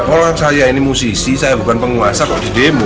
kalau saya ini musisi saya bukan penguasa kok didemo